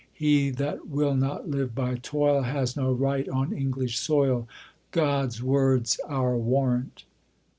He that will not live by toil Has no right on English soil! God's word's our warrant!